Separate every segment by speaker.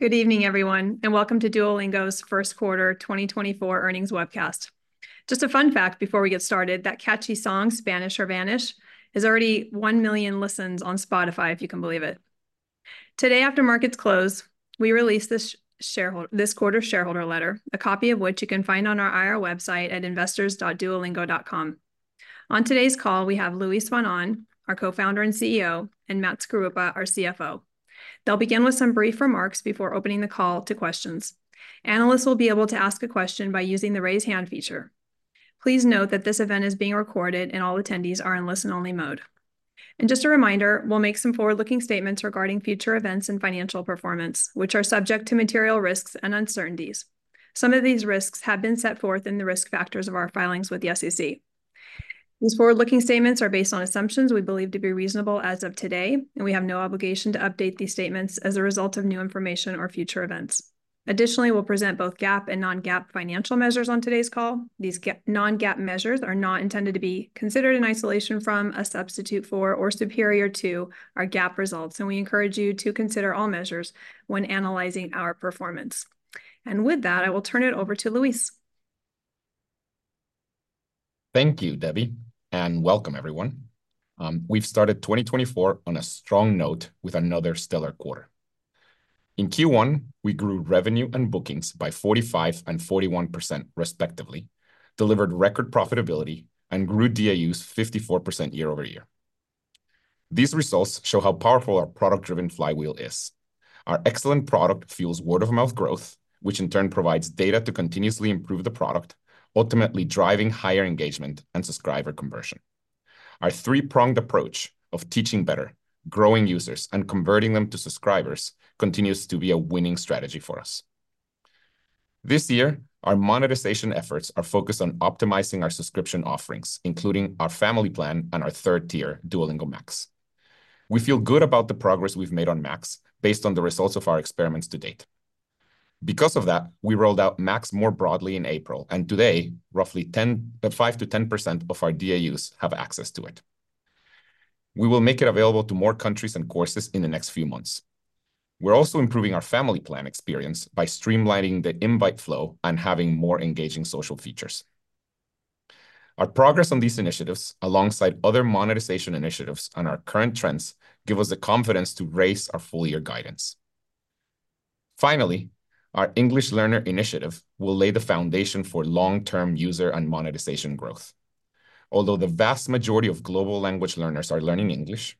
Speaker 1: Good evening, everyone, and welcome to Duolingo's first quarter 2024 earnings webcast. Just a fun fact before we get started: that catchy song, Spanish or Vanish, has already 1 million listens on Spotify, if you can believe it. Today, after markets close, we released this quarter shareholder letter, a copy of which you can find on our IR website at investors.duolingo.com. On today's call, we have Luis von Ahn, our co-founder and CEO, and Matt Skaruppa, our CFO. They'll begin with some brief remarks before opening the call to questions. Analysts will be able to ask a question by using the raise hand feature. Please note that this event is being recorded and all attendees are in listen-only mode. Just a reminder, we'll make some forward-looking statements regarding future events and financial performance, which are subject to material risks and uncertainties. Some of these risks have been set forth in the risk factors of our filings with the SEC. These forward-looking statements are based on assumptions we believe to be reasonable as of today, and we have no obligation to update these statements as a result of new information or future events. Additionally, we'll present both GAAP and non-GAAP financial measures on today's call. These non-GAAP measures are not intended to be considered in isolation from, a substitute for, or superior to our GAAP results, and we encourage you to consider all measures when analyzing our performance. With that, I will turn it over to Luis.
Speaker 2: Thank you, Debbie, and welcome, everyone. We've started 2024 on a strong note with another stellar quarter. In Q1, we grew revenue and bookings by 45% and 41%, respectively, delivered record profitability, and grew DAUs 54% year-over-year. These results show how powerful our product-driven flywheel is. Our excellent product fuels word-of-mouth growth, which in turn provides data to continuously improve the product, ultimately driving higher engagement and subscriber conversion. Our three-pronged approach of teaching better, growing users, and converting them to subscribers continues to be a winning strategy for us. This year, our monetization efforts are focused on optimizing our subscription offerings, including our Family Plan and our third tier, Duolingo Max. We feel good about the progress we've made on Max based on the results of our experiments to date. Because of that, we rolled out Max more broadly in April, and today, roughly 5%-10% of our DAUs have access to it. We will make it available to more countries and courses in the next few months. We're also improving our family plan experience by streamlining the invite flow and having more engaging social features. Our progress on these initiatives, alongside other monetization initiatives and our current trends, gives us the confidence to raise our full-year guidance. Finally, our English learner initiative will lay the foundation for long-term user and monetization growth. Although the vast majority of global language learners are learning English,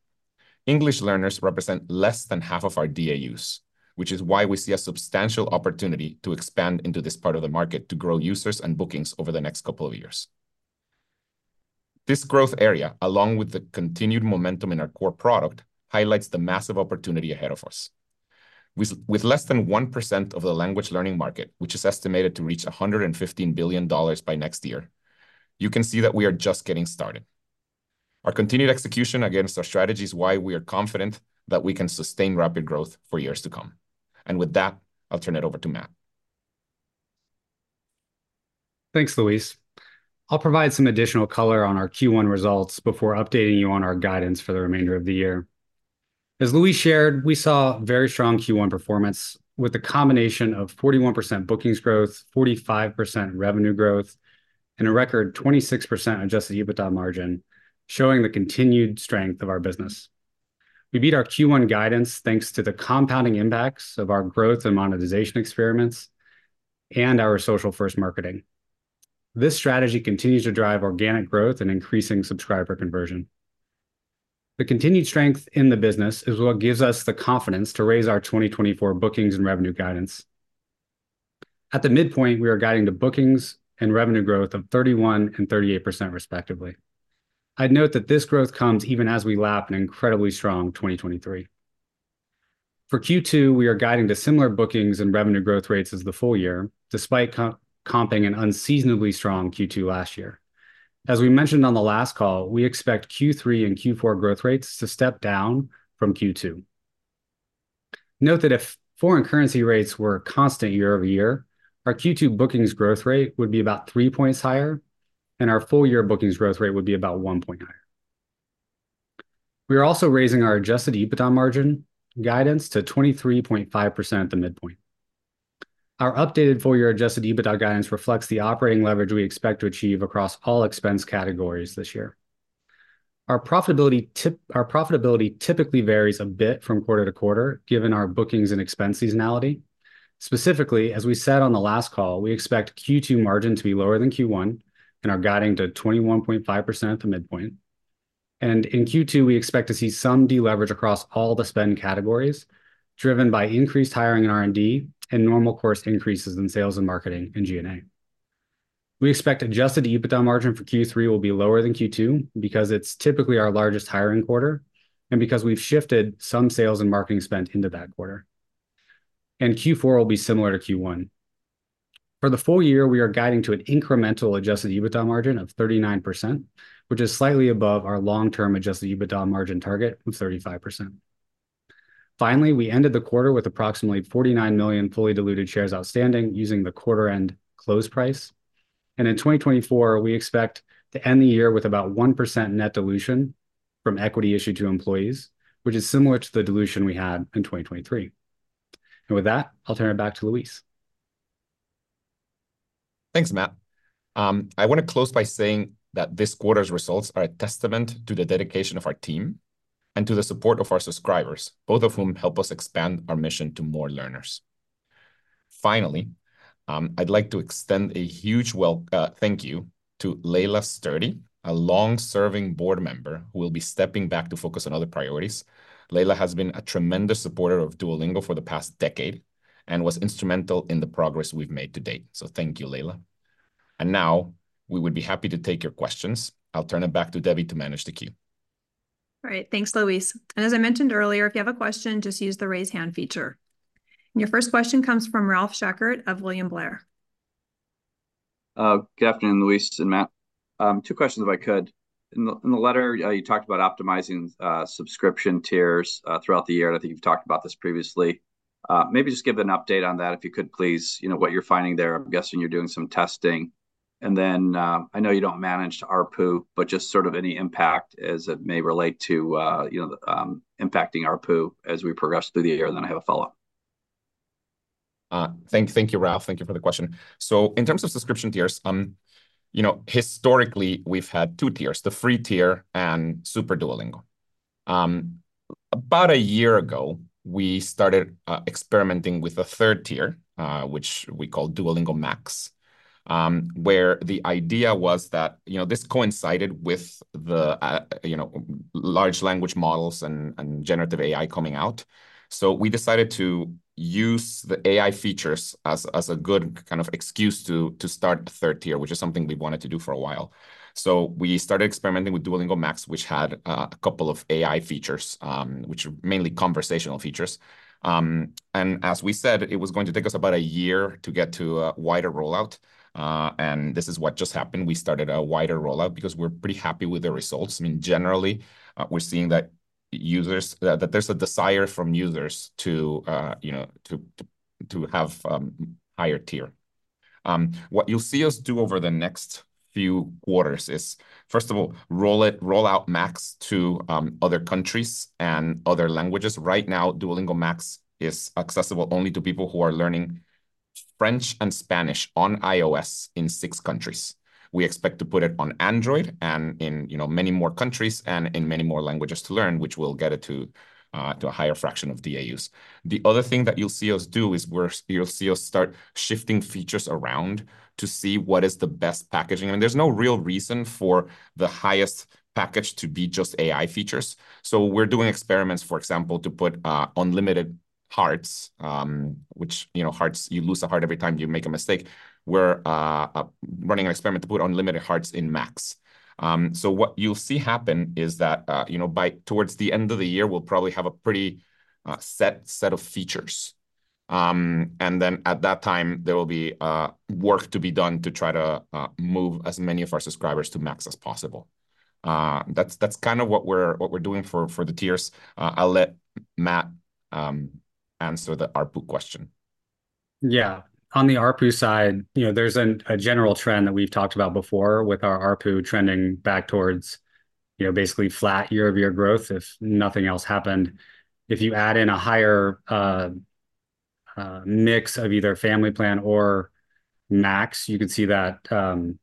Speaker 2: English learners represent less than half of our DAUs, which is why we see a substantial opportunity to expand into this part of the market to grow users and bookings over the next couple of years. This growth area, along with the continued momentum in our core product, highlights the massive opportunity ahead of us. With less than 1% of the language learning market, which is estimated to reach $115 billion by next year, you can see that we are just getting started. Our continued execution against our strategy is why we are confident that we can sustain rapid growth for years to come. With that, I'll turn it over to Matt.
Speaker 3: Thanks, Luis. I'll provide some additional color on our Q1 results before updating you on our guidance for the remainder of the year. As Luis shared, we saw very strong Q1 performance with a combination of 41% bookings growth, 45% revenue growth, and a record 26% adjusted EBITDA margin, showing the continued strength of our business. We beat our Q1 guidance thanks to the compounding impacts of our growth and monetization experiments and our social-first marketing. This strategy continues to drive organic growth and increasing subscriber conversion. The continued strength in the business is what gives us the confidence to raise our 2024 bookings and revenue guidance. At the midpoint, we are guiding to bookings and revenue growth of 31% and 38%, respectively. I'd note that this growth comes even as we lap an incredibly strong 2023. For Q2, we are guiding to similar bookings and revenue growth rates as the full year, despite comping an unseasonably strong Q2 last year. As we mentioned on the last call, we expect Q3 and Q4 growth rates to step down from Q2. Note that if foreign currency rates were constant year over year, our Q2 bookings growth rate would be about 3 points higher, and our full-year bookings growth rate would be about 1 point higher. We are also raising our adjusted EBITDA margin guidance to 23.5% at the midpoint. Our updated full-year adjusted EBITDA guidance reflects the operating leverage we expect to achieve across all expense categories this year. Our profitability typically varies a bit from quarter to quarter, given our bookings and expense seasonality. Specifically, as we said on the last call, we expect Q2 margin to be lower than Q1, and are guiding to 21.5% at the midpoint. In Q2, we expect to see some deleverage across all the spend categories, driven by increased hiring and R&D and normal course increases in sales and marketing and G&A. We expect adjusted EBITDA margin for Q3 will be lower than Q2 because it's typically our largest hiring quarter and because we've shifted some sales and marketing spend into that quarter. Q4 will be similar to Q1. For the full year, we are guiding to an incremental adjusted EBITDA margin of 39%, which is slightly above our long-term adjusted EBITDA margin target of 35%. Finally, we ended the quarter with approximately 49 million fully diluted shares outstanding using the quarter-end close price. In 2024, we expect to end the year with about 1% net dilution from equity issued to employees, which is similar to the dilution we had in 2023. With that, I'll turn it back to Luis.
Speaker 2: Thanks, Matt. I want to close by saying that this quarter's results are a testament to the dedication of our team and to the support of our subscribers, both of whom help us expand our mission to more learners. Finally, I'd like to extend a huge thank you to Laela Sturdy, a long-serving board member who will be stepping back to focus on other priorities. Laela has been a tremendous supporter of Duolingo for the past decade and was instrumental in the progress we've made to date. So thank you, Laela. And now, we would be happy to take your questions. I'll turn it back to Debbie to manage the queue.
Speaker 1: All right, thanks, Luis. As I mentioned earlier, if you have a question, just use the raise hand feature. Your first question comes from Ralph Schackart of William Blair.
Speaker 4: Good afternoon, Luis and Matt. Two questions, if I could. In the letter, you talked about optimizing subscription tiers throughout the year, and I think you've talked about this previously. Maybe just give an update on that, if you could, please, what you're finding there. I'm guessing you're doing some testing. And then I know you don't manage to ARPU, but just sort of any impact as it may relate to impacting ARPU as we progress through the year, and then I have a follow-up.
Speaker 2: Thank you, Ralph. Thank you for the question. In terms of subscription tiers, historically, we've had two tiers: the free tier and Super Duolingo. About a year ago, we started experimenting with a third tier, which we call Duolingo Max, where the idea was that this coincided with the large language models and generative AI coming out. We decided to use the AI features as a good kind of excuse to start the third tier, which is something we've wanted to do for a while. We started experimenting with Duolingo Max, which had a couple of AI features, which are mainly conversational features. As we said, it was going to take us about a year to get to a wider rollout. This is what just happened. We started a wider rollout because we're pretty happy with the results. I mean, generally, we're seeing that there's a desire from users to have a higher tier. What you'll see us do over the next few quarters is, first of all, roll out Max to other countries and other languages. Right now, Duolingo Max is accessible only to people who are learning French and Spanish on iOS in six countries. We expect to put it on Android and in many more countries and in many more languages to learn, which will get it to a higher fraction of DAUs. The other thing that you'll see us do is you'll see us start shifting features around to see what is the best packaging. I mean, there's no real reason for the highest package to be just AI features. So we're doing experiments, for example, to put unlimited hearts, which hearts you lose a heart every time you make a mistake. We're running an experiment to put unlimited hearts in Max. So what you'll see happen is that toward the end of the year, we'll probably have a pretty set of features. And then at that time, there will be work to be done to try to move as many of our subscribers to Max as possible. That's kind of what we're doing for the tiers. I'll let Matt answer the ARPU question.
Speaker 3: Yeah. On the ARPU side, there's a general trend that we've talked about before with our ARPU trending back towards basically flat year-over-year growth, if nothing else happened. If you add in a higher mix of either family plan or Max, you could see that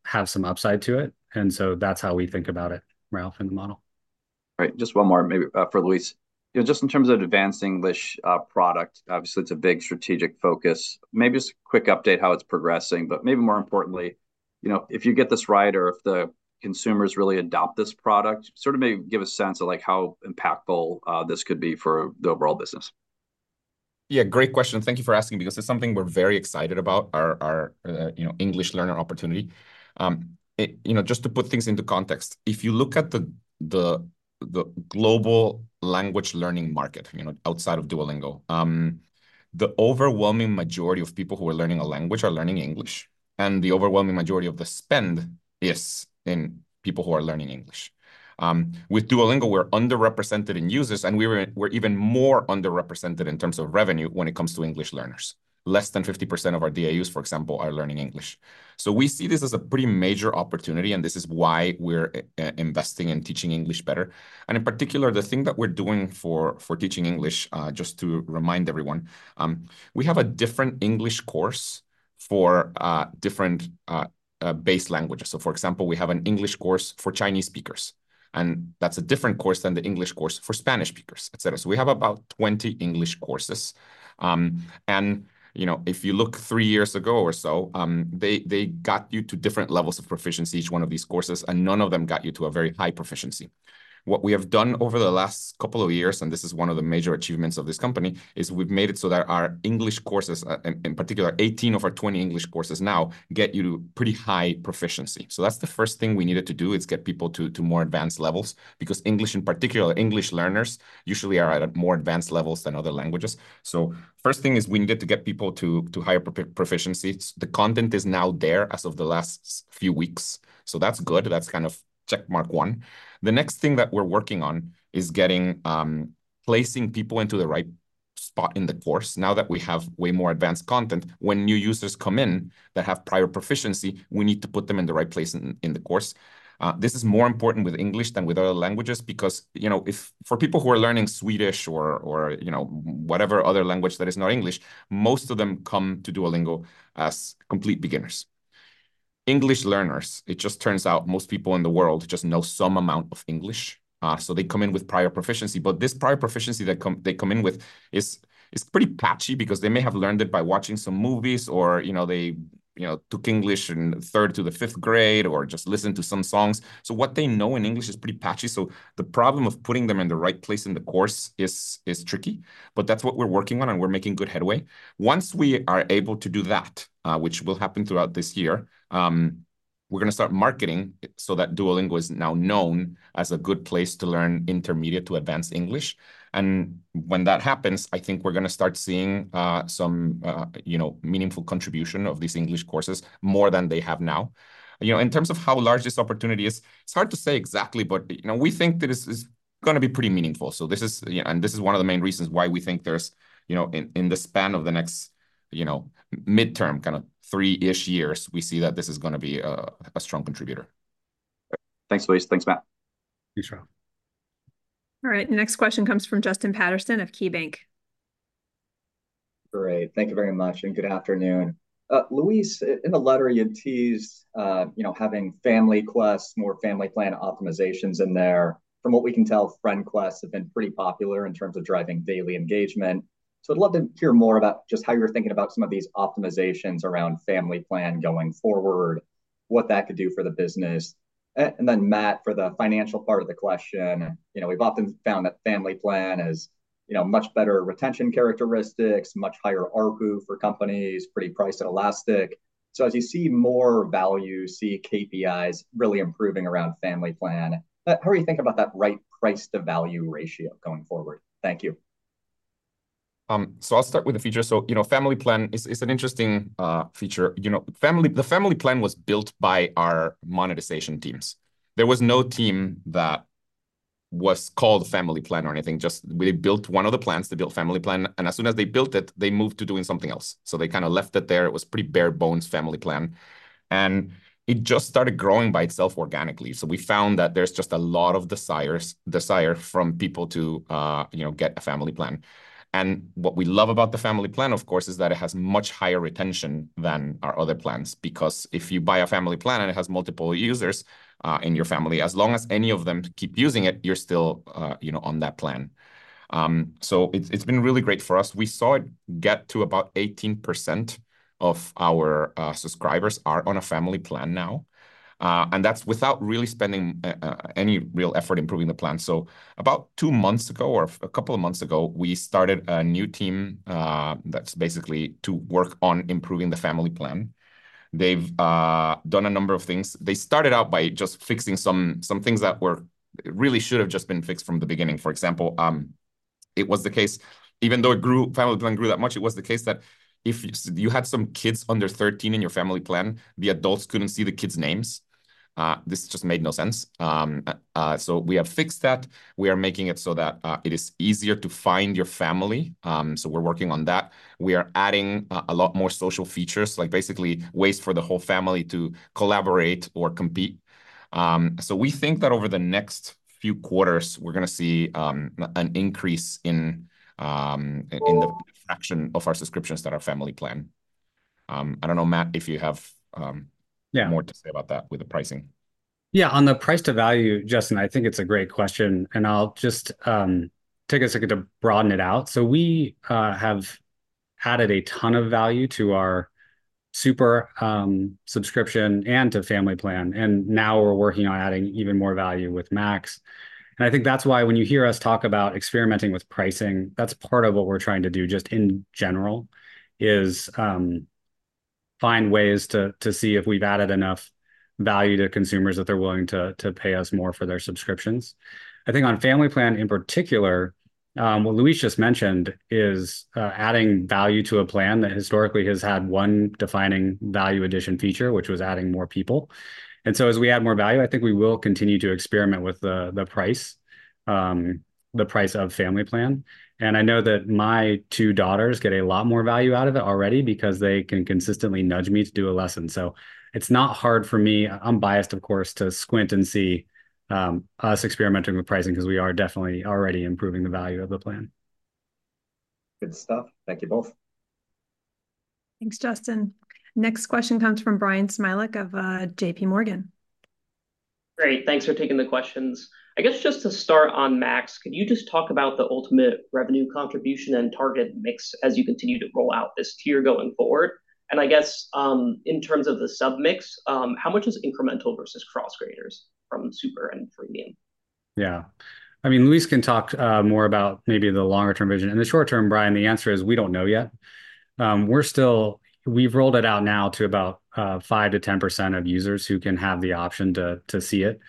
Speaker 3: have some upside to it. And so that's how we think about it, Ralph, in the model.
Speaker 4: All right. Just one more, maybe, for Luis. Just in terms of advanced English product, obviously, it's a big strategic focus. Maybe just a quick update how it's progressing, but maybe more importantly, if you get this right or if the consumers really adopt this product, sort of maybe give a sense of how impactful this could be for the overall business.
Speaker 2: Yeah, great question. Thank you for asking because it's something we're very excited about, our English learner opportunity. Just to put things into context, if you look at the global language learning market outside of Duolingo, the overwhelming majority of people who are learning a language are learning English, and the overwhelming majority of the spend is in people who are learning English. With Duolingo, we're underrepresented in users, and we're even more underrepresented in terms of revenue when it comes to English learners. Less than 50% of our DAUs, for example, are learning English. So we see this as a pretty major opportunity, and this is why we're investing in teaching English better. In particular, the thing that we're doing for teaching English, just to remind everyone, we have a different English course for different base languages. So, for example, we have an English course for Chinese speakers, and that's a different course than the English course for Spanish speakers, etc. So we have about 20 English courses. And if you look 3 years ago or so, they got you to different levels of proficiency, each one of these courses, and none of them got you to a very high proficiency. What we have done over the last couple of years, and this is 1 of the major achievements of this company, is we've made it so that our English courses, in particular, 18 of our 20 English courses now, get you to pretty high proficiency. So that's the first thing we needed to do is get people to more advanced levels because English, in particular, English learners usually are at more advanced levels than other languages. First thing is we needed to get people to higher proficiency. The content is now there as of the last few weeks. That's good. That's kind of checkmark one. The next thing that we're working on is placing people into the right spot in the course. Now that we have way more advanced content, when new users come in that have prior proficiency, we need to put them in the right place in the course. This is more important with English than with other languages because for people who are learning Swedish or whatever other language that is not English, most of them come to Duolingo as complete beginners. English learners, it just turns out, most people in the world just know some amount of English. So they come in with prior proficiency, but this prior proficiency that they come in with is pretty patchy because they may have learned it by watching some movies or they took English in third to the fifth grade or just listened to some songs. So what they know in English is pretty patchy. So the problem of putting them in the right place in the course is tricky, but that's what we're working on, and we're making good headway. Once we are able to do that, which will happen throughout this year, we're going to start marketing so that Duolingo is now known as a good place to learn intermediate to advanced English. When that happens, I think we're going to start seeing some meaningful contribution of these English courses more than they have now. In terms of how large this opportunity is, it's hard to say exactly, but we think that it's going to be pretty meaningful. This is one of the main reasons why we think there's, in the span of the next midterm, kind of three-ish years, we see that this is going to be a strong contributor.
Speaker 4: Thanks, Luis. Thanks, Matt.
Speaker 2: Thanks, Ralph.
Speaker 1: All right. Next question comes from Justin Patterson of KeyBanc.
Speaker 5: Great. Thank you very much, and good afternoon. Luis, in the letter, you had teased having family class, more Family Plan optimizations in there. From what we can tell, Friends Quests have been pretty popular in terms of driving daily engagement. So I'd love to hear more about just how you're thinking about some of these optimizations around Family Plan going forward, what that could do for the business. And then, Matt, for the financial part of the question, we've often found that Family Plan has much better retention characteristics, much higher ARPU for companies, pretty price-elastic. So as you see more value, see KPIs really improving around Family Plan, how do you think about that right price-to-value ratio going forward? Thank you.
Speaker 2: I'll start with the feature. Family Plan is an interesting feature. The Family Plan was built by our monetization teams. There was no team that was called Family Plan or anything. Just they built one of the plans to build Family Plan, and as soon as they built it, they moved to doing something else. They kind of left it there. It was pretty bare-bones Family Plan. It just started growing by itself organically. We found that there's just a lot of desire from people to get a Family Plan. What we love about the Family Plan, of course, is that it has much higher retention than our other plans because if you buy a Family Plan and it has multiple users in your family, as long as any of them keep using it, you're still on that plan. It's been really great for us. We saw it get to about 18% of our subscribers are on a Family Plan now, and that's without really spending any real effort improving the plan. So about two months ago or a couple of months ago, we started a new team that's basically to work on improving the Family Plan. They've done a number of things. They started out by just fixing some things that really should have just been fixed from the beginning. For example, it was the case, even though Family Plan grew that much, it was the case that if you had some kids under 13 in your Family Plan, the adults couldn't see the kids' names. This just made no sense. So we have fixed that. We are making it so that it is easier to find your family. So we're working on that. We are adding a lot more social features, like basically ways for the whole family to collaborate or compete. So we think that over the next few quarters, we're going to see an increase in the fraction of our subscriptions that are Family Plan. I don't know, Matt, if you have more to say about that with the pricing.
Speaker 3: Yeah, on the price-to-value, Justin, I think it's a great question, and I'll just take a second to broaden it out. So we have added a ton of value to our Super subscription and to Family Plan, and now we're working on adding even more value with Max. And I think that's why when you hear us talk about experimenting with pricing, that's part of what we're trying to do just in general, is find ways to see if we've added enough value to consumers that they're willing to pay us more for their subscriptions. I think on Family Plan in particular, what Luis just mentioned is adding value to a plan that historically has had one defining value addition feature, which was adding more people. And so as we add more value, I think we will continue to experiment with the price, the price of Family Plan. I know that my two daughters get a lot more value out of it already because they can consistently nudge me to do a lesson. It's not hard for me. I'm biased, of course, to squint and see us experimenting with pricing because we are definitely already improving the value of the plan.
Speaker 5: Good stuff. Thank you both.
Speaker 1: Thanks, Justin. Next question comes from Bryan Smilek of JPMorgan.
Speaker 6: Great. Thanks for taking the questions. I guess just to start on Max, could you just talk about the ultimate revenue contribution and target mix as you continue to roll out this tier going forward? And I guess in terms of the submix, how much is incremental versus cross-graders from Super and Premium?
Speaker 3: Yeah. I mean, Luis can talk more about maybe the longer-term vision. In the short term, Brian, the answer is we don't know yet. We've rolled it out now to about 5%-10% of users who can have the option to see it.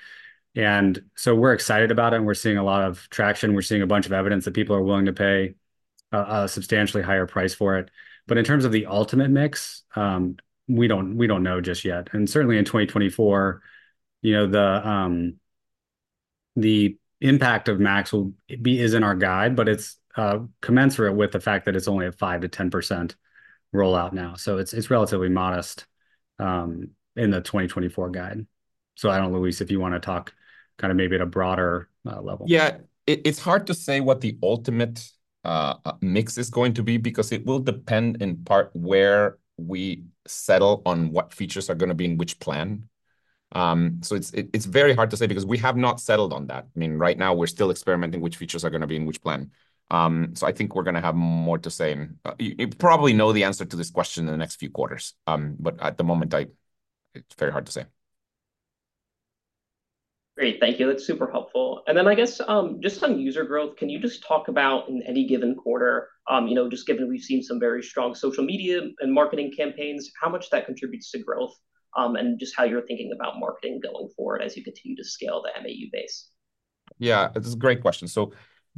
Speaker 3: And so we're excited about it, and we're seeing a lot of traction. We're seeing a bunch of evidence that people are willing to pay a substantially higher price for it. But in terms of the ultimate mix, we don't know just yet. And certainly in 2024, the impact of Max is in our guide, but it's commensurate with the fact that it's only a 5%-10% rollout now. So it's relatively modest in the 2024 guide. So I don't know, Luis, if you want to talk kind of maybe at a broader level.
Speaker 2: Yeah, it's hard to say what the ultimate mix is going to be because it will depend in part where we settle on what features are going to be in which plan. So it's very hard to say because we have not settled on that. I mean, right now, we're still experimenting which features are going to be in which plan. So I think we're going to have more to say. You probably know the answer to this question in the next few quarters, but at the moment, it's very hard to say.
Speaker 6: Great. Thank you. That's super helpful. And then I guess just on user growth, can you just talk about in any given quarter, just given we've seen some very strong social media and marketing campaigns, how much that contributes to growth and just how you're thinking about marketing going forward as you continue to scale the MAU base?
Speaker 2: Yeah, it's a great question.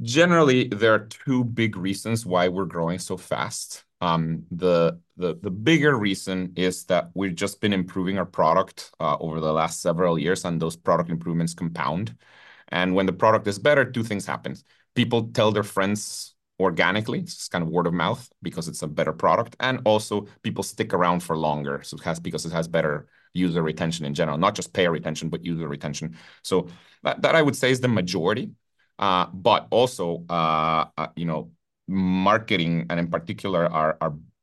Speaker 2: Generally, there are two big reasons why we're growing so fast. The bigger reason is that we've just been improving our product over the last several years, and those product improvements compound. When the product is better, two things happen. People tell their friends organically. It's just kind of word of mouth because it's a better product. Also, people stick around for longer because it has better user retention in general, not just payer retention, but user retention. So that I would say is the majority. Also, marketing, and in particular, our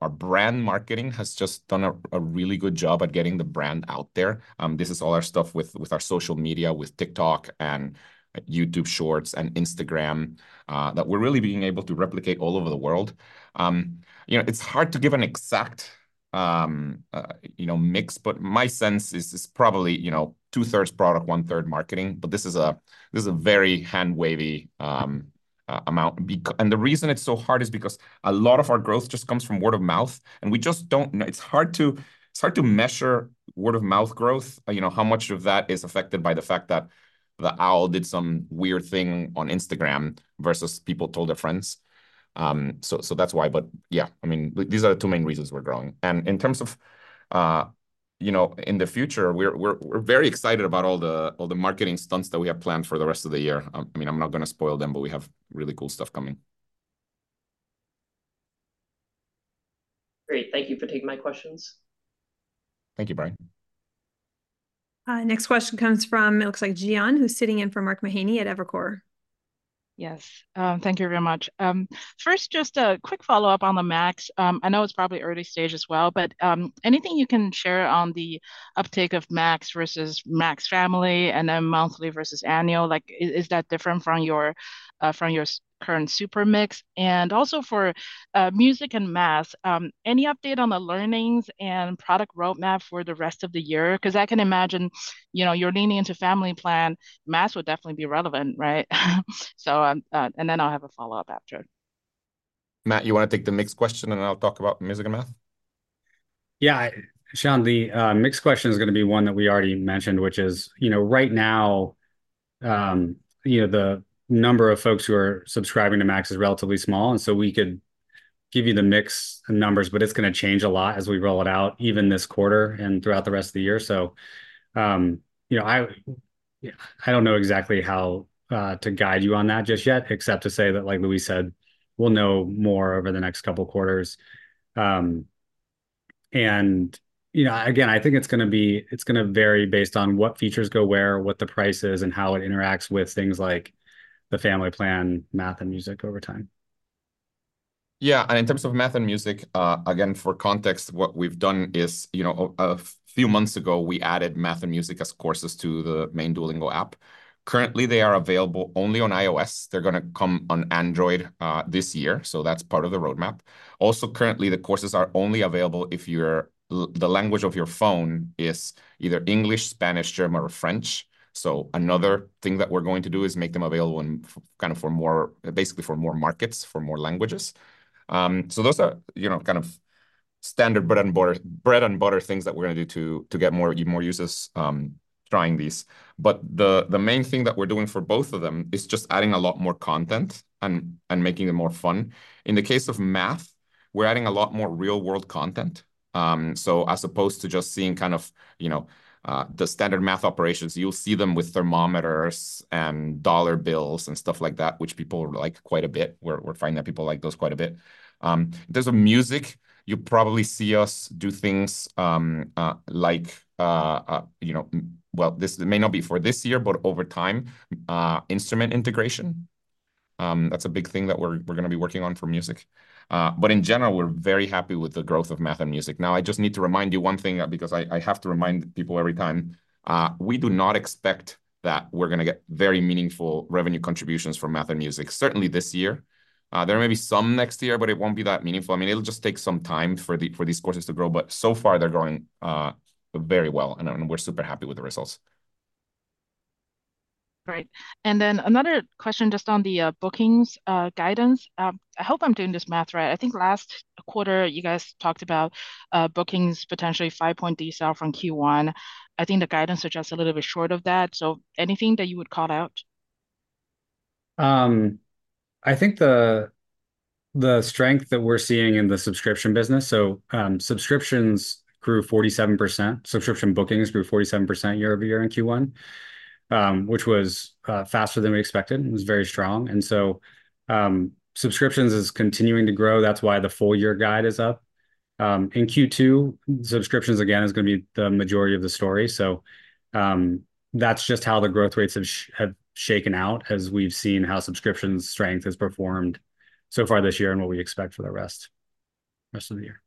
Speaker 2: brand marketing has just done a really good job at getting the brand out there. This is all our stuff with our social media, with TikTok and YouTube Shorts and Instagram that we're really being able to replicate all over the world. It's hard to give an exact mix, but my sense is probably two-thirds product, one-third marketing. But this is a very hand-wavy amount. And the reason it's so hard is because a lot of our growth just comes from word of mouth, and we just don't know. It's hard to measure word-of-mouth growth, how much of that is affected by the fact that the owl did some weird thing on Instagram versus people told their friends. So that's why. But yeah, I mean, these are the two main reasons we're growing. And in terms of in the future, we're very excited about all the marketing stunts that we have planned for the rest of the year. I mean, I'm not going to spoil them, but we have really cool stuff coming.
Speaker 6: Great. Thank you for taking my questions.
Speaker 2: Thank you, Brian.
Speaker 1: Next question comes from, it looks like, Jian, who's sitting in for Mark Mahaney at Evercore.
Speaker 7: Yes. Thank you very much. First, just a quick follow-up on the Max. I know it's probably early stage as well, but anything you can share on the uptake of Max versus Max Family and then monthly versus annual, is that different from your current Super mix? And also for Music and Math, any update on the learnings and product roadmap for the rest of the year? Because I can imagine you're leaning into Family Plan. Math would definitely be relevant, right? And then I'll have a follow-up after.
Speaker 2: Matt, you want to take the Math question, and I'll talk about Music and Math?
Speaker 3: Yeah, Sean, the mix question is going to be one that we already mentioned, which is right now, the number of folks who are subscribing to Max is relatively small. And so we could give you the mix numbers, but it's going to change a lot as we roll it out, even this quarter and throughout the rest of the year. So I don't know exactly how to guide you on that just yet, except to say that, like Luis said, we'll know more over the next couple of quarters. And again, I think it's going to vary based on what features go where, what the price is, and how it interacts with things like the Family Plan, Math, and Music over time.
Speaker 2: Yeah. And in terms of Math and Music, again, for context, what we've done is a few months ago, we added Math and Music as courses to the main Duolingo app. Currently, they are available only on iOS. They're going to come on Android this year, so that's part of the roadmap. Also, currently, the courses are only available if the language of your phone is either English, Spanish, German, or French. So another thing that we're going to do is make them available kind of basically for more markets, for more languages. So those are kind of standard bread-and-butter things that we're going to do to get more users trying these. But the main thing that we're doing for both of them is just adding a lot more content and making them more fun. In the case of Math, we're adding a lot more real-world content. So as opposed to just seeing kind of the standard math operations, you'll see them with thermometers and dollar bills and stuff like that, which people like quite a bit. We're finding that people like those quite a bit. In terms of music, you probably see us do things like, well, this may not be for this year, but over time, instrument integration. That's a big thing that we're going to be working on for music. But in general, we're very happy with the growth of Math and Music. Now, I just need to remind you one thing because I have to remind people every time. We do not expect that we're going to get very meaningful revenue contributions from Math and Music, certainly this year. There may be some next year, but it won't be that meaningful. I mean, it'll just take some time for these courses to grow. So far, they're going very well, and we're super happy with the results.
Speaker 7: Great. And then another question just on the bookings guidance. I hope I'm doing this math right. I think last quarter, you guys talked about bookings potentially 5 points decel from Q1. I think the guidance suggests a little bit short of that. So anything that you would call out?
Speaker 3: I think the strength that we're seeing in the subscription business, so subscriptions grew 47%. Subscription bookings grew 47% year-over-year in Q1, which was faster than we expected. It was very strong. And so subscriptions is continuing to grow. That's why the full-year guide is up. In Q2, subscriptions, again, is going to be the majority of the story. So that's just how the growth rates have shaken out as we've seen how subscriptions' strength has performed so far this year and what we expect for the rest of the year.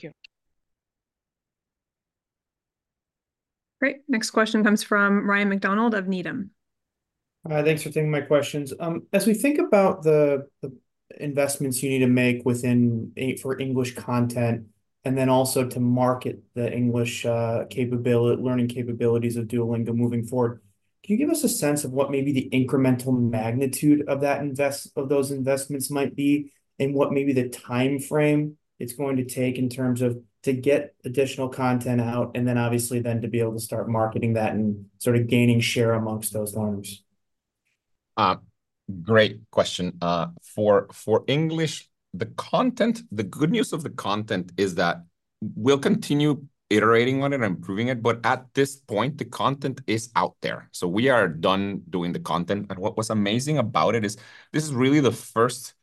Speaker 7: Thank you.
Speaker 1: Great. Next question comes from Ryan MacDonald of Needham.
Speaker 8: Thanks for taking my questions. As we think about the investments you need to make for English content and then also to market the English learning capabilities of Duolingo moving forward, can you give us a sense of what maybe the incremental magnitude of those investments might be and what maybe the time frame it's going to take in terms of to get additional content out and then obviously then to be able to start marketing that and sort of gaining share amongst those learners?
Speaker 2: Great question. For English, the good news of the content is that we'll continue iterating on it and improving it. But at this point, the content is out there. We are done doing the content. What was amazing about it is this is really the first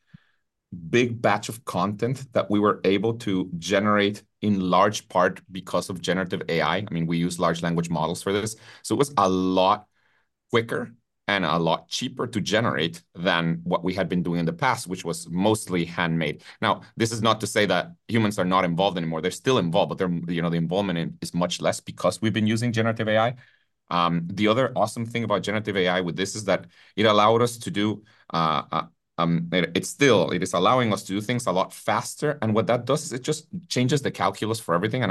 Speaker 2: big batch of content that we were able to generate in large part because of generative AI. I mean, we use large language models for this. It was a lot quicker and a lot cheaper to generate than what we had been doing in the past, which was mostly handmade. Now, this is not to say that humans are not involved anymore. They're still involved, but the involvement is much less because we've been using generative AI. The other awesome thing about generative AI with this is that it allowed us to do. It's still allowing us to do things a lot faster. What that does is it just changes the calculus for everything.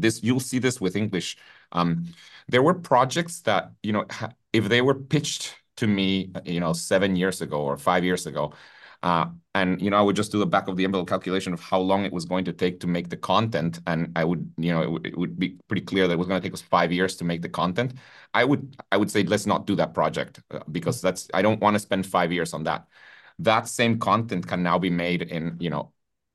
Speaker 2: You'll see this with English. There were projects that if they were pitched to me seven years ago or five years ago, and I would just do the back-of-the-envelope calculation of how long it was going to take to make the content, and it would be pretty clear that it was going to take us five years to make the content, I would say, "Let's not do that project because I don't want to spend five years on that." That same content can now be made in,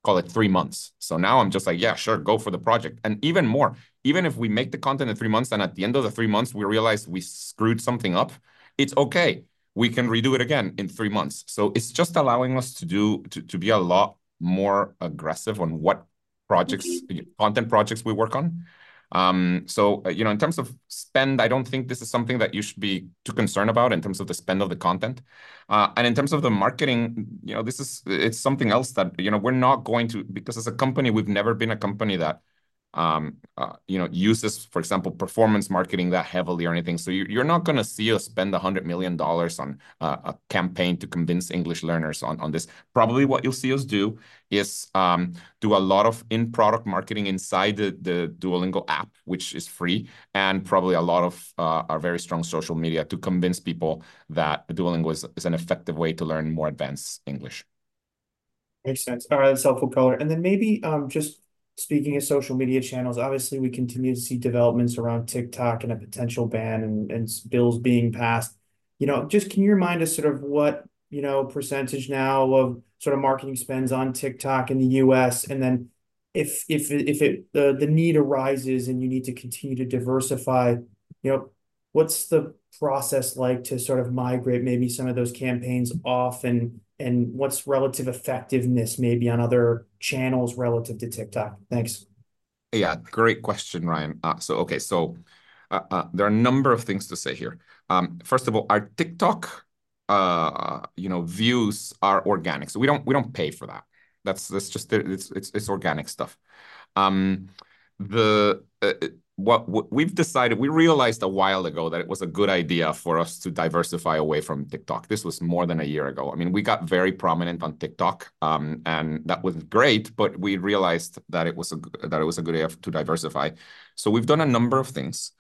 Speaker 2: call it, three months. Now I'm just like, "Yeah, sure. Go for the project." And even more, even if we make the content in three months and at the end of the three months, we realize we screwed something up, it's okay. We can redo it again in three months. So it's just allowing us to be a lot more aggressive on what content projects we work on. So in terms of spend, I don't think this is something that you should be too concerned about in terms of the spend of the content. And in terms of the marketing, it's something else that we're not going to because as a company, we've never been a company that uses, for example, performance marketing that heavily or anything. So you're not going to see us spend $100 million on a campaign to convince English learners on this. Probably what you'll see us do is do a lot of in-product marketing inside the Duolingo app, which is free, and probably a lot of our very strong social media to convince people that Duolingo is an effective way to learn more advanced English.
Speaker 8: Makes sense. All right. That's helpful, Color. And then maybe just speaking of social media channels, obviously, we continue to see developments around TikTok and a potential ban and bills being passed. Just can you remind us sort of what percentage now of sort of marketing spends on TikTok in the U.S.? And then if the need arises and you need to continue to diversify, what's the process like to sort of migrate maybe some of those campaigns off, and what's relative effectiveness maybe on other channels relative to TikTok? Thanks.
Speaker 2: Yeah. Great question, Ryan. So, okay. So there are a number of things to say here. First of all, our TikTok views are organic. So we don't pay for that. That's just, it's organic stuff. We realized a while ago that it was a good idea for us to diversify away from TikTok. This was more than a year ago. I mean, we got very prominent on TikTok, and that was great, but we realized that it was a good way to diversify. So we've done a number of things.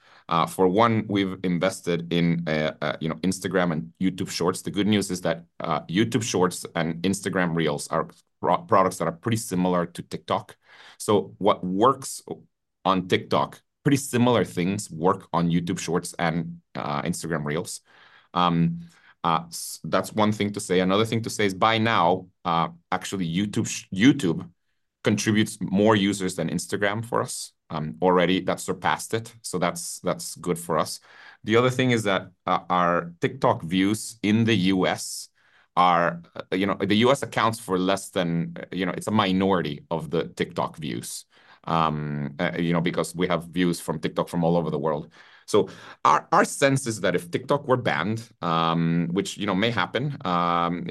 Speaker 2: For one, we've invested in Instagram and YouTube Shorts. The good news is that YouTube Shorts and Instagram Reels are products that are pretty similar to TikTok. So what works on TikTok, pretty similar things work on YouTube Shorts and Instagram Reels. That's one thing to say. Another thing to say is by now, actually, YouTube contributes more users than Instagram for us already. That surpassed it. So that's good for us. The other thing is that our TikTok views in the US, the US accounts for less than. It's a minority of the TikTok views because we have views from TikTok from all over the world. So our sense is that if TikTok were banned, which may happen,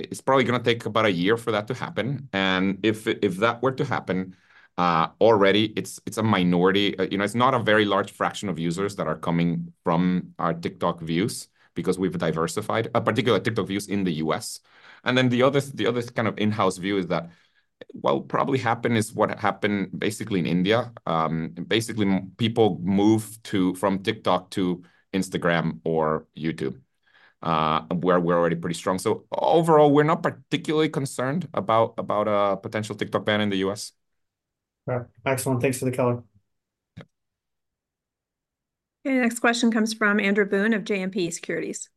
Speaker 2: it's probably going to take about a year for that to happen. And if that were to happen, already, it's a minority. It's not a very large fraction of users that are coming from our TikTok views because we've diversified, particularly TikTok views in the US. And then the other kind of in-house view is that what will probably happen is what happened basically in India. Basically, people move from TikTok to Instagram or YouTube, where we're already pretty strong. So overall, we're not particularly concerned about a potential TikTok ban in the US.
Speaker 8: All right. Excellent. Thanks for the color.
Speaker 1: Okay. Next question comes from Andrew Boone of JMP Securities.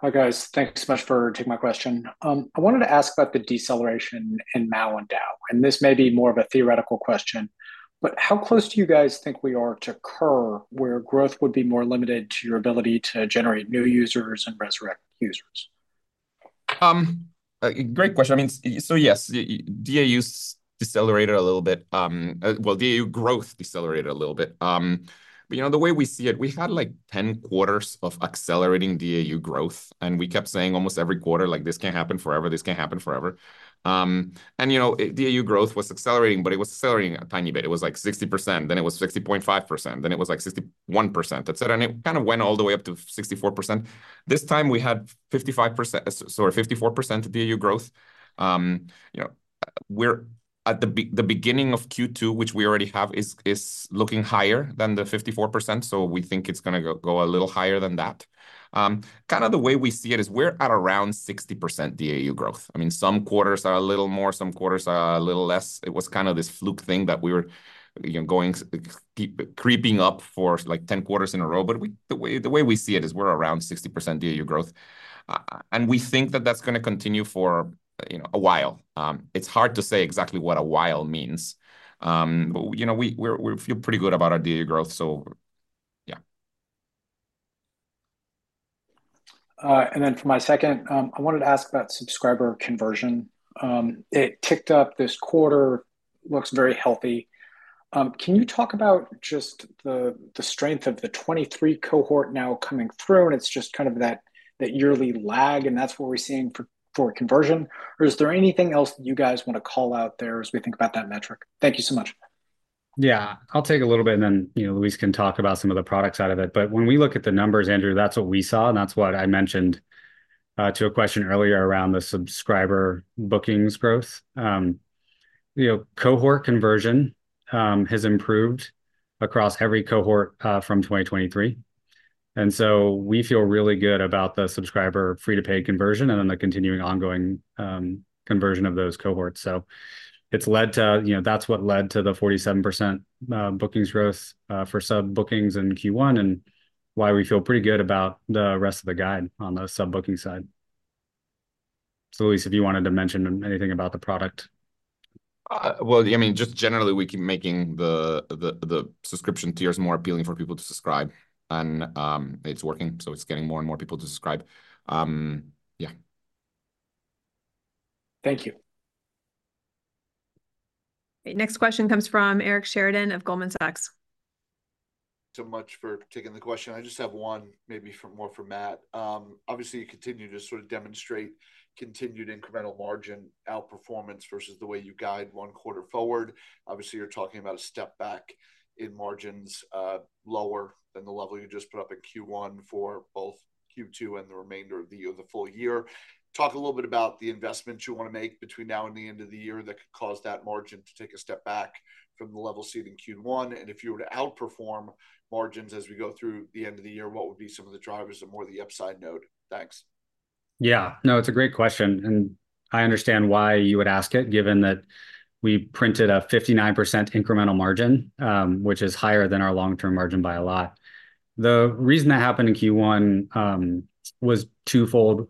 Speaker 9: Hi, guys. Thanks so much for taking my question. I wanted to ask about the deceleration in Mau and Dow. This may be more of a theoretical question, but how close do you guys think we are to curve where growth would be more limited to your ability to generate new users and resurrect users?
Speaker 2: Great question. I mean, so yes, DAU decelerated a little bit. Well, DAU growth decelerated a little bit. But the way we see it, we had like 10 quarters of accelerating DAU growth. And we kept saying almost every quarter, like, "This can't happen forever. This can't happen forever." And DAU growth was accelerating, but it was accelerating a tiny bit. It was like 60%. Then it was 60.5%. Then it was like 61%, etc. And it kind of went all the way up to 64%. This time, we had 55% sorry, 54% DAU growth. We're at the beginning of Q2, which we already have, is looking higher than the 54%. So we think it's going to go a little higher than that. Kind of the way we see it is we're at around 60% DAU growth. I mean, some quarters are a little more. Some quarters are a little less. It was kind of this fluke thing that we were creeping up for like 10 quarters in a row. But the way we see it is we're around 60% DAU growth. And we think that that's going to continue for a while. It's hard to say exactly what a while means. But we feel pretty good about our DAU growth. So yeah.
Speaker 9: For my second, I wanted to ask about subscriber conversion. It ticked up this quarter. Looks very healthy. Can you talk about just the strength of the 23-cohort now coming through? And it's just kind of that yearly lag, and that's what we're seeing for conversion. Or is there anything else that you guys want to call out there as we think about that metric? Thank you so much.
Speaker 3: Yeah. I'll take a little bit, and then Luis can talk about some of the products out of it. But when we look at the numbers, Andrew, that's what we saw. And that's what I mentioned to a question earlier around the subscriber bookings growth. Cohort conversion has improved across every cohort from 2023. And so we feel really good about the subscriber free-to-pay conversion and then the continuing ongoing conversion of those cohorts. So that's what led to the 47% bookings growth for subbookings in Q1 and why we feel pretty good about the rest of the guide on the subbooking side. So Luis, if you wanted to mention anything about the product.
Speaker 2: Well, I mean, just generally, we keep making the subscription tiers more appealing for people to subscribe. And it's working. So it's getting more and more people to subscribe. Yeah.
Speaker 9: Thank you.
Speaker 1: Next question comes from Eric Sheridan of Goldman Sachs.
Speaker 10: Thanks for taking the question. I just have one, maybe more for Matt. Obviously, you continue to sort of demonstrate continued incremental margin outperformance versus the way you guide one quarter forward. Obviously, you're talking about a step back in margins lower than the level you just put up in Q1 for both Q2 and the remainder of the full year. Talk a little bit about the investments you want to make between now and the end of the year that could cause that margin to take a step back from the level seen in Q1. And if you were to outperform margins as we go through the end of the year, what would be some of the drivers of more the upside note? Thanks.
Speaker 3: Yeah. No, it's a great question. And I understand why you would ask it, given that we printed a 59% incremental margin, which is higher than our long-term margin by a lot. The reason that happened in Q1 was twofold.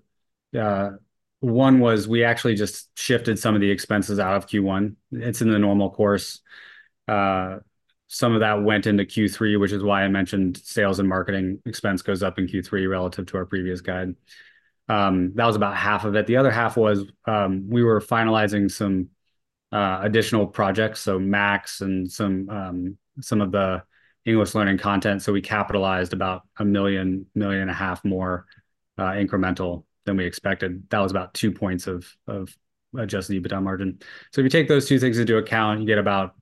Speaker 3: One was we actually just shifted some of the expenses out of Q1. It's in the normal course. Some of that went into Q3, which is why I mentioned sales and marketing expense goes up in Q3 relative to our previous guide. That was about half of it. The other half was we were finalizing some additional projects, so MAX and some of the English learning content. So we capitalized about $1 million-$1.5 million more incremental than we expected. That was about two points of adjusted EBITDA margin. So if you take those two things into account, you get about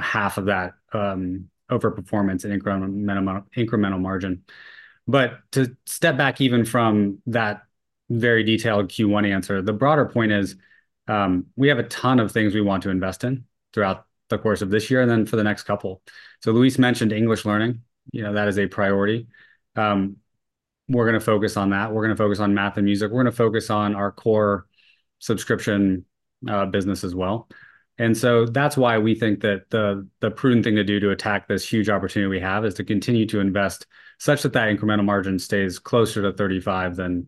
Speaker 3: half of that overperformance and incremental margin. But to step back even from that very detailed Q1 answer, the broader point is we have a ton of things we want to invest in throughout the course of this year and then for the next couple. So Luis mentioned English learning. That is a priority. We're going to focus on that. We're going to focus on math and music. We're going to focus on our core subscription business as well. And so that's why we think that the prudent thing to do to attack this huge opportunity we have is to continue to invest such that that incremental margin stays closer to 35 than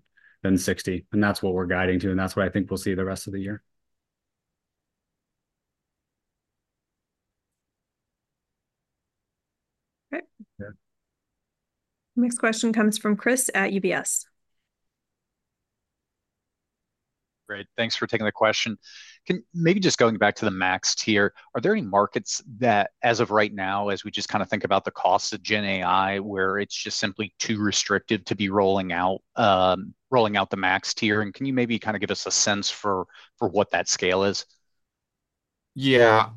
Speaker 3: 60. And that's what we're guiding to. And that's what I think we'll see the rest of the year.
Speaker 1: Okay. Next question comes from Chris at UBS.
Speaker 11: Great. Thanks for taking the question. Maybe just going back to the Max tier, are there any markets that, as of right now, as we just kind of think about the costs of Gen AI, where it's just simply too restrictive to be rolling out the Max tier? And can you maybe kind of give us a sense for what that scale is?
Speaker 2: Yeah.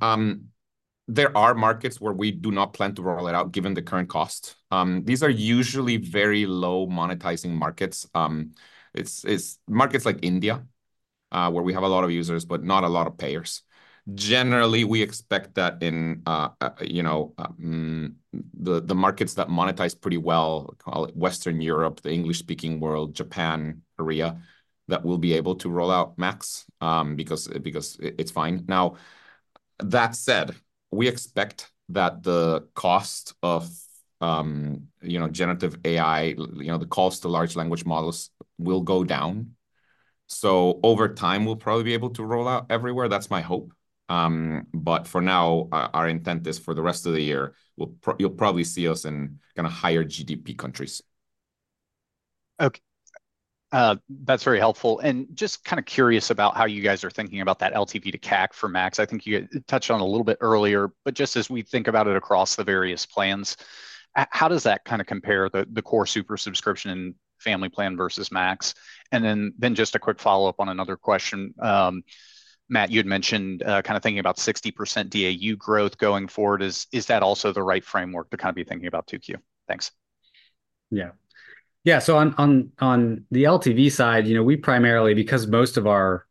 Speaker 2: There are markets where we do not plan to roll it out given the current costs. These are usually very low-monetizing markets. It's markets like India where we have a lot of users but not a lot of payers. Generally, we expect that in the markets that monetize pretty well, call it Western Europe, the English-speaking world, Japan, Korea, that we'll be able to roll out MAX because it's fine. Now, that said, we expect that the cost of generative AI, the cost of large language models, will go down. So over time, we'll probably be able to roll out everywhere. That's my hope. But for now, our intent is for the rest of the year, you'll probably see us in kind of higher GDP countries.
Speaker 11: Okay. That's very helpful. And just kind of curious about how you guys are thinking about that LTV to CAC for MAX. I think you touched on it a little bit earlier. But just as we think about it across the various plans, how does that kind of compare the core super subscription and family plan versus MAX? And then just a quick follow-up on another question. Matt, you had mentioned kind of thinking about 60% DAU growth going forward. Is that also the right framework to kind of be thinking about 2Q? Thanks.
Speaker 3: Yeah. Yeah. So on the LTV side, we primarily, because most of our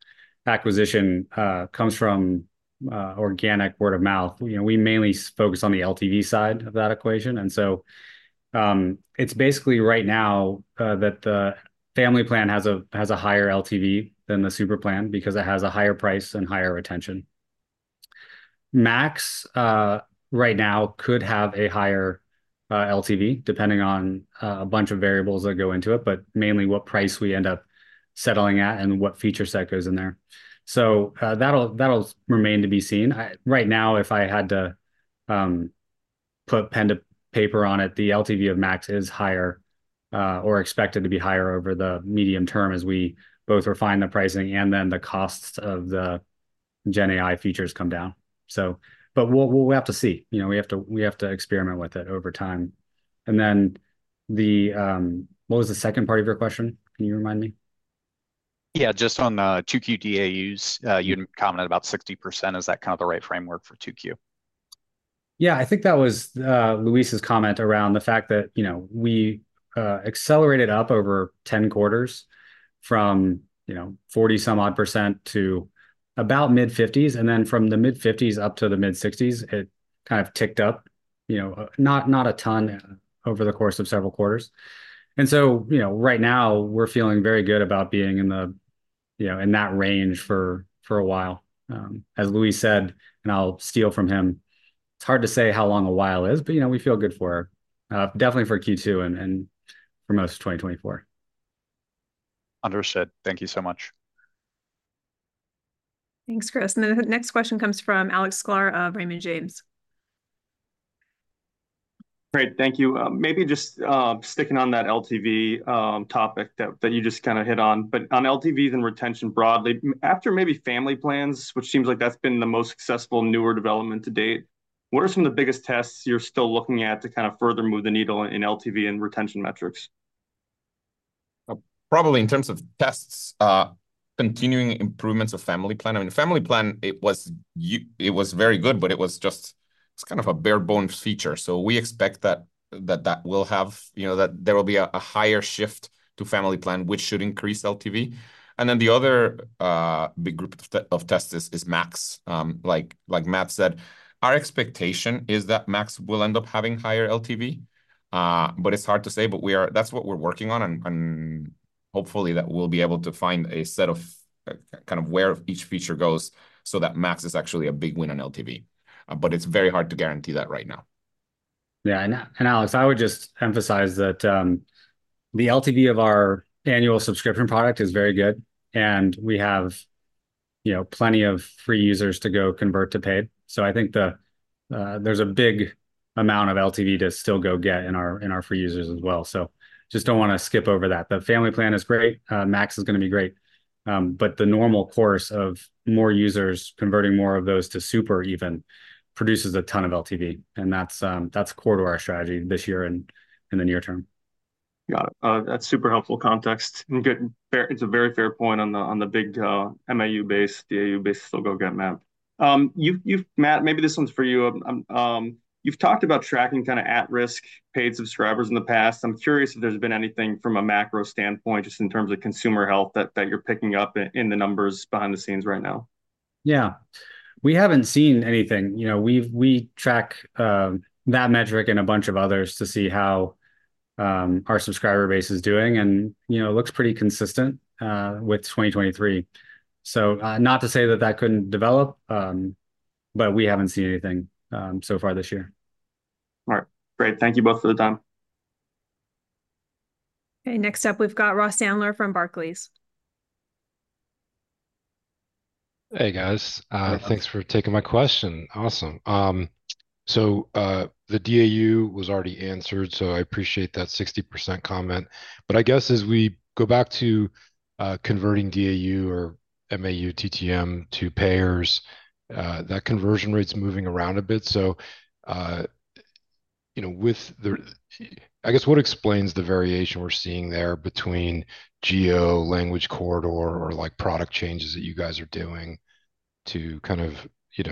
Speaker 3: acquisition comes from organic word of mouth, we mainly focus on the LTV side of that equation. And so it's basically right now that the Family Plan has a higher LTV than the super plan because it has a higher price and higher retention. MAX right now could have a higher LTV depending on a bunch of variables that go into it, but mainly what price we end up settling at and what feature set goes in there. So that'll remain to be seen. Right now, if I had to put pen to paper on it, the LTV of MAX is higher or expected to be higher over the medium term as we both refine the pricing and then the costs of the Gen AI features come down. But we'll have to see. We have to experiment with it over time. Then what was the second part of your question? Can you remind me?
Speaker 11: Yeah. Just on 2Q DAUs, you had commented about 60%. Is that kind of the right framework for 2Q?
Speaker 3: Yeah. I think that was Luis's comment around the fact that we accelerated up over 10 quarters from 40-some-odd% to about mid-50s. And then from the mid-50s up to the mid-60s, it kind of ticked up, not a ton over the course of several quarters. And so right now, we're feeling very good about being in that range for a while. As Luis said, and I'll steal from him, it's hard to say how long a while is, but we feel good for definitely for Q2 and for most of 2024.
Speaker 11: Understood. Thank you so much.
Speaker 1: Thanks, Chris. The next question comes from Alex Sklar of Raymond James.
Speaker 12: Great. Thank you. Maybe just sticking on that LTV topic that you just kind of hit on. But on LTVs and retention broadly, after maybe family plans, which seems like that's been the most successful newer development to date, what are some of the biggest tests you're still looking at to kind of further move the needle in LTV and retention metrics?
Speaker 2: Probably in terms of tests, continuing improvements of Family Plan. I mean, Family Plan, it was very good, but it was just kind of a bare-bones feature. So we expect that that will have that there will be a higher shift to Family Plan, which should increase LTV. And then the other big group of tests is MAX. Like Matt said, our expectation is that MAX will end up having higher LTV. But it's hard to say. But that's what we're working on. And hopefully, that we'll be able to find a set of kind of where each feature goes so that MAX is actually a big win on LTV. But it's very hard to guarantee that right now.
Speaker 3: Yeah. And Alex, I would just emphasize that the LTV of our annual subscription product is very good. And we have plenty of free users to go convert to paid. So I think there's a big amount of LTV to still go get in our free users as well. So just don't want to skip over that. The Family Plan is great. Max is going to be great. But the normal course of more users converting more of those to Super even produces a ton of LTV. And that's core to our strategy this year and in the near term.
Speaker 12: Got it. That's super helpful context. It's a very fair point on the big MAU-based, DAU-based still-go-get map. Matt, maybe this one's for you. You've talked about tracking kind of at-risk paid subscribers in the past. I'm curious if there's been anything from a macro standpoint just in terms of consumer health that you're picking up in the numbers behind the scenes right now.
Speaker 3: Yeah. We haven't seen anything. We track that metric and a bunch of others to see how our subscriber base is doing. And it looks pretty consistent with 2023. So not to say that that couldn't develop, but we haven't seen anything so far this year.
Speaker 12: All right. Great. Thank you both for the time.
Speaker 1: Okay. Next up, we've got Ross Sandler from Barclays.
Speaker 13: Hey, guys. Thanks for taking my question. Awesome. So the DAU was already answered. So I appreciate that 60% comment. But I guess as we go back to converting DAU or MAU TTM to payers, that conversion rate's moving around a bit. So I guess what explains the variation we're seeing there between geo, language corridor, or product changes that you guys are doing to kind of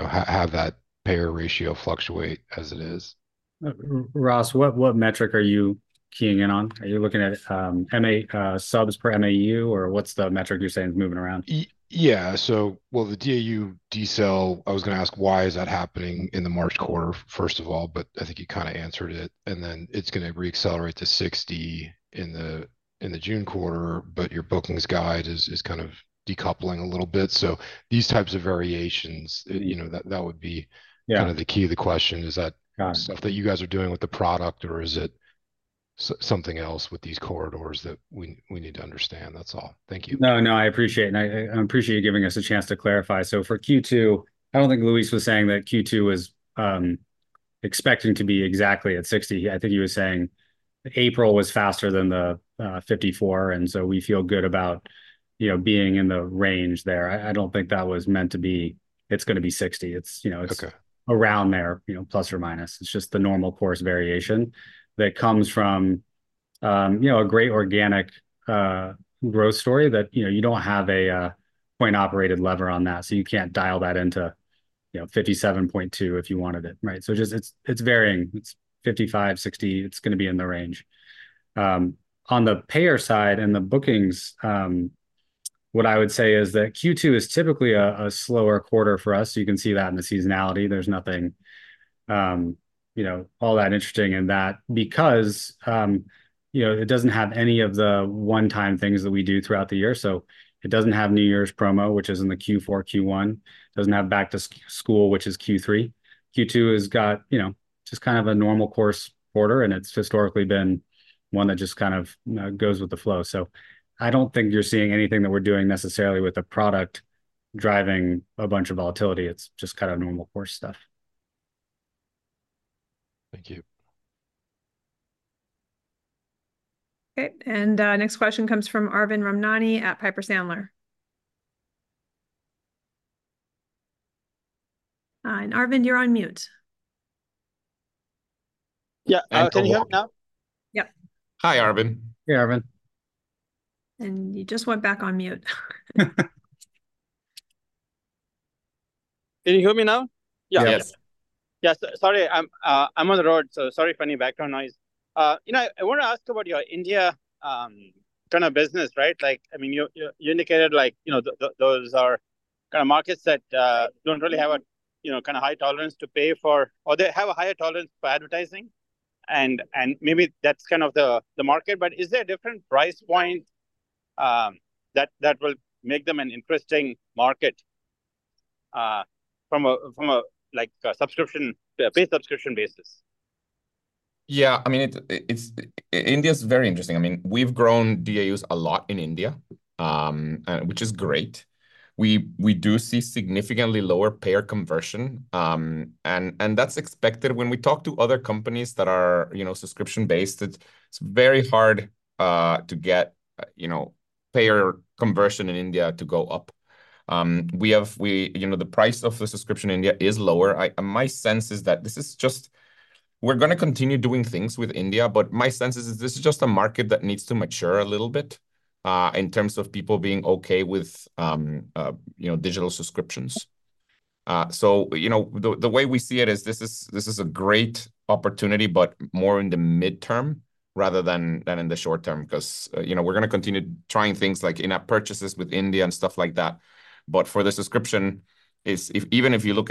Speaker 13: have that payer ratio fluctuate as it is?
Speaker 3: Ross, what metric are you keying in on? Are you looking at subs per MAU, or what's the metric you're saying is moving around?
Speaker 13: Yeah. So well, the DAU decline, I was going to ask why is that happening in the March quarter, first of all. But I think you kind of answered it. And then it's going to reaccelerate to 60 in the June quarter. But your bookings guide is kind of decoupling a little bit. So these types of variations, that would be kind of the key to the question. Is that stuff that you guys are doing with the product, or is it something else with these cohorts that we need to understand? That's all. Thank you.
Speaker 3: No, no. I appreciate it. I appreciate you giving us a chance to clarify. For Q2, I don't think Luis was saying that Q2 was expecting to be exactly at 60. I think he was saying April was faster than the 54. We feel good about being in the range there. I don't think that was meant to be. It's going to be 60. It's around there, plus or minus. It's just the normal course variation that comes from a great organic growth story that you don't have a coin-operated lever on that. You can't dial that into 57.2 if you wanted it, right? It's varying. It's 55-60. It's going to be in the range. On the payer side and the bookings, what I would say is that Q2 is typically a slower quarter for us. You can see that in the seasonality. There's nothing all that interesting in that because it doesn't have any of the one-time things that we do throughout the year. So it doesn't have New Year's promo, which is in the Q4, Q1. It doesn't have back-to-school, which is Q3. Q2 has got just kind of a normal course quarter. And it's historically been one that just kind of goes with the flow. So I don't think you're seeing anything that we're doing necessarily with a product driving a bunch of volatility. It's just kind of normal course stuff.
Speaker 13: Thank you.
Speaker 1: Okay. Next question comes from Arvind Ramnani at Piper Sandler. And Arvind, you're on mute.
Speaker 14: Yeah. Can you hear me now?
Speaker 1: Yep.
Speaker 2: Hi, Arvind.
Speaker 3: Hey, Arvind.
Speaker 1: You just went back on mute.
Speaker 14: Can you hear me now?
Speaker 2: Yeah.
Speaker 3: Yes.
Speaker 14: Yeah. Sorry. I'm on the road. So sorry for any background noise. I want to ask about your India kind of business, right? I mean, you indicated those are kind of markets that don't really have a kind of high tolerance to pay for or they have a higher tolerance for advertising. And maybe that's kind of the market. But is there a different price point that will make them an interesting market from a paid subscription basis?
Speaker 2: Yeah. I mean, India is very interesting. I mean, we've grown DAUs a lot in India, which is great. We do see significantly lower payer conversion. That's expected. When we talk to other companies that are subscription-based, it's very hard to get payer conversion in India to go up. The price of the subscription in India is lower. My sense is that this is just we're going to continue doing things with India. My sense is this is just a market that needs to mature a little bit in terms of people being okay with digital subscriptions. The way we see it is this is a great opportunity, but more in the midterm rather than in the short term because we're going to continue trying things like in-app purchases with India and stuff like that. But for the subscription, even if you look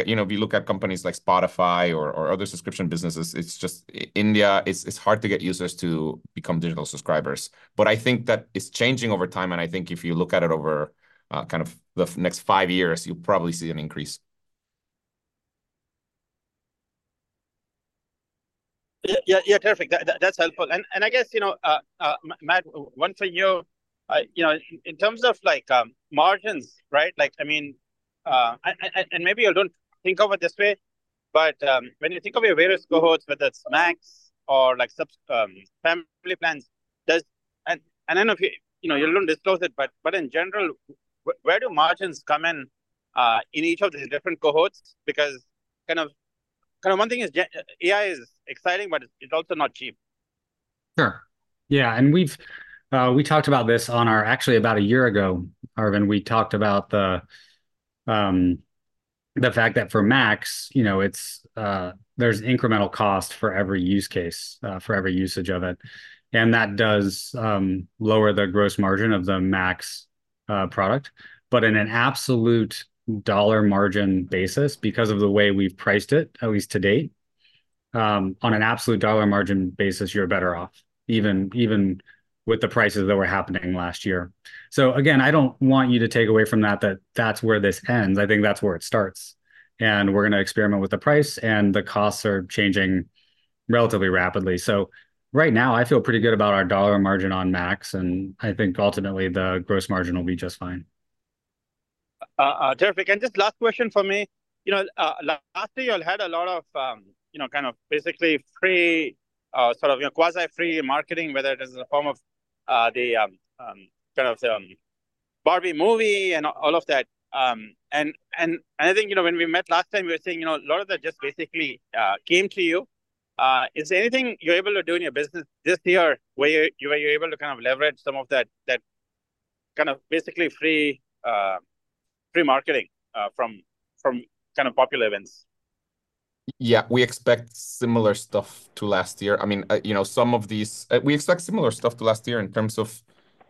Speaker 2: at companies like Spotify or other subscription businesses, it's just India, it's hard to get users to become digital subscribers. But I think that it's changing over time. And I think if you look at it over kind of the next five years, you'll probably see an increase.
Speaker 14: Yeah, yeah, yeah. Terrific. That's helpful. And I guess, Matt, one for you. In terms of margins, right? I mean, and maybe you don't think of it this way. But when you think of your various cohorts, whether it's Max or Family Plans, and I don't know if you don't disclose it. But in general, where do margins come in in each of these different cohorts? Because kind of one thing is AI is exciting, but it's also not cheap.
Speaker 3: Sure. Yeah. And we talked about this on our actually about a year ago, Arvind. We talked about the fact that for MAX, there's incremental cost for every use case, for every usage of it. And that does lower the gross margin of the MAX product. But in an absolute dollar margin basis, because of the way we've priced it, at least to date, on an absolute dollar margin basis, you're better off, even with the prices that were happening last year. So again, I don't want you to take away from that that that's where this ends. I think that's where it starts. And we're going to experiment with the price. And the costs are changing relatively rapidly. So right now, I feel pretty good about our dollar margin on MAX. And I think ultimately, the gross margin will be just fine.
Speaker 14: Terrific. And just last question for me. Lastly, you all had a lot of kind of basically free sort of quasi-free marketing, whether it is in the form of the kind of Barbie movie and all of that. And I think when we met last time, you were saying a lot of that just basically came to you. Is there anything you're able to do in your business this year where you were able to kind of leverage some of that kind of basically free marketing from kind of popular events?
Speaker 2: Yeah. We expect similar stuff to last year. I mean, some of these we expect similar stuff to last year in terms of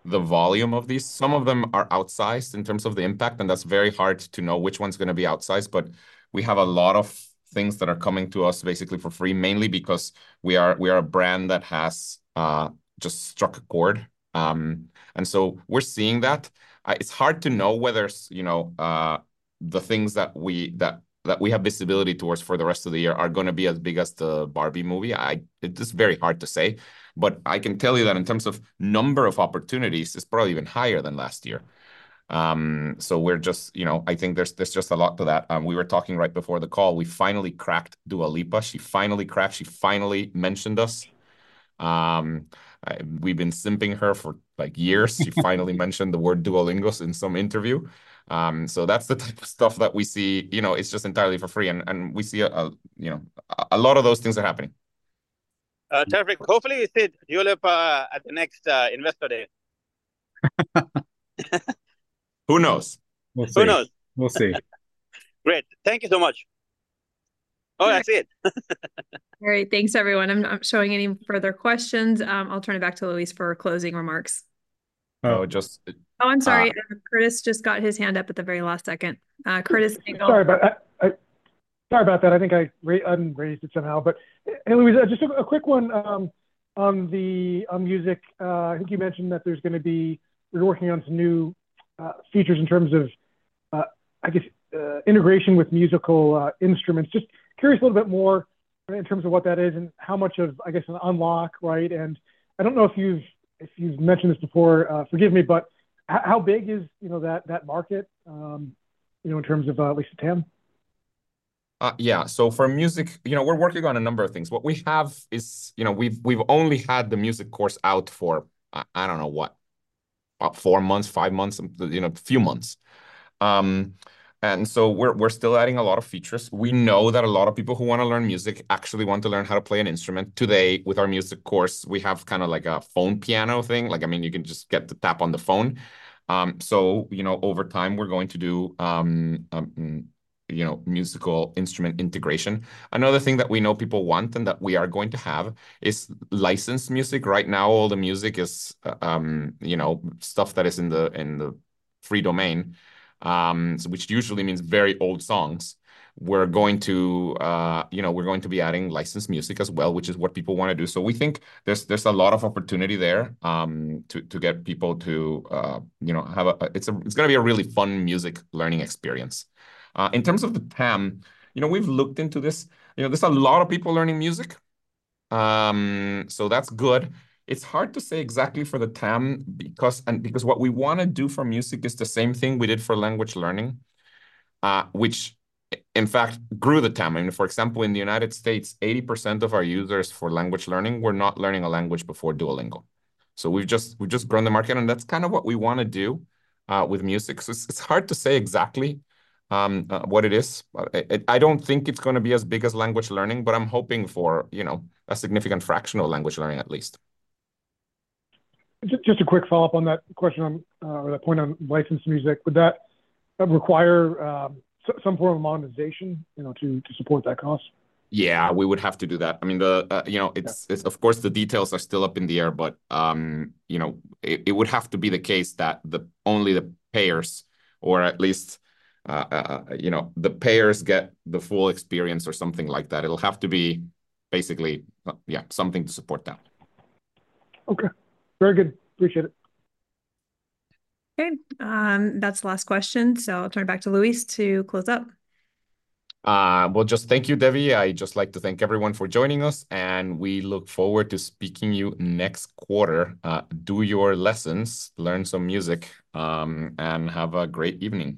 Speaker 2: the volume of these. Some of them are outsized in terms of the impact. That's very hard to know which one's going to be outsized. We have a lot of things that are coming to us basically for free, mainly because we are a brand that has just struck a chord. So we're seeing that. It's hard to know whether the things that we have visibility towards for the rest of the year are going to be as big as the Barbie movie. It's very hard to say. I can tell you that in terms of number of opportunities, it's probably even higher than last year. I think there's just a lot to that. We were talking right before the call. We finally cracked Dua Lipa. She finally cracked. She finally mentioned us. We've been simping her for years. She finally mentioned the word Duolingo in some interview. So that's the type of stuff that we see. It's just entirely for free. And we see a lot of those things are happening.
Speaker 14: Terrific. Hopefully, we see Dua Lipa at the next Investor Day.
Speaker 2: Who knows? We'll see.
Speaker 14: Who knows? We'll see. Great. Thank you so much. Oh, I see it.
Speaker 1: All right. Thanks, everyone. I'm not showing any further questions. I'll turn it back to Luis for closing remarks.
Speaker 15: Oh, just.
Speaker 1: Oh, I'm sorry. Curtis just got his hand up at the very last second. Curtis.
Speaker 15: Sorry about that. I think I unraised it somehow. But hey, Luis, just a quick one on the music. I think you mentioned that there's going to be you're working on some new features in terms of, I guess, integration with musical instruments. Just curious a little bit more in terms of what that is and how much of, I guess, an unlock, right? And I don't know if you've mentioned this before. Forgive me. But how big is that market in terms of at least to TAM?
Speaker 2: Yeah. So for Music, we're working on a number of things. What we have is we've only had the Music Course out for, I don't know what, about 4 months, 5 months, a few months. And so we're still adding a lot of features. We know that a lot of people who want to learn music actually want to learn how to play an instrument. Today, with our Music Course, we have kind of like a phone piano thing. I mean, you can just get to tap on the phone. So over time, we're going to do musical instrument integration. Another thing that we know people want and that we are going to have is licensed music. Right now, all the music is stuff that is in the public domain, which usually means very old songs. We're going to be adding licensed music as well, which is what people want to do. So we think there's a lot of opportunity there to get people to have. It's going to be a really fun music learning experience. In terms of the TAM, we've looked into this. There's a lot of people learning music. So that's good. It's hard to say exactly for the TAM because what we want to do for music is the same thing we did for language learning, which, in fact, grew the TAM. I mean, for example, in the United States, 80% of our users for language learning were not learning a language before Duolingo. So we've just grown the market. And that's kind of what we want to do with music. So it's hard to say exactly what it is. I don't think it's going to be as big as language learning. But I'm hoping for a significant fraction of language learning, at least.
Speaker 15: Just a quick follow-up on that question or that point on licensed music. Would that require some form of monetization to support that cost?
Speaker 2: Yeah. We would have to do that. I mean, of course, the details are still up in the air. But it would have to be the case that only the payers or at least the payers get the full experience or something like that. It'll have to be basically, yeah, something to support that.
Speaker 15: Okay. Very good. Appreciate it.
Speaker 1: Okay. That's the last question. I'll turn it back to Luis to close up.
Speaker 2: Well, just thank you, Debbie. I'd just like to thank everyone for joining us. We look forward to speaking to you next quarter. Do your lessons, learn some music, and have a great evening.